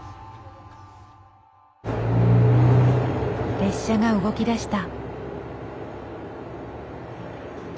列車が動きだした。